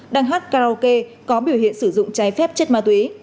đang hát karaoke có biểu hiện sử dụng trái phép chất ma túy